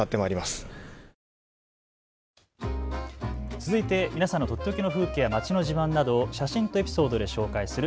続いて皆さんのとっておきの風景や街の自慢などを写真とエピソードで紹介する＃